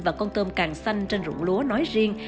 và con tôm càng xanh trên rụng lúa nói riêng